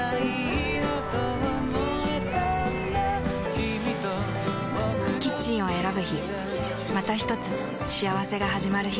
キミとボクの未来だキッチンを選ぶ日またひとつ幸せがはじまる日